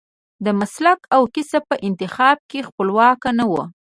د مسلک او کسب په انتخاب کې خپلواک نه و.